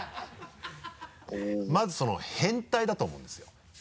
まずその変態だと思うんですよ。